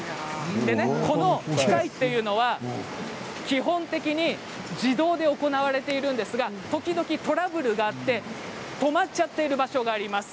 この機械というのは基本的に自動で行われているんですが時々トラブルがあって止まっちゃってる場所があります。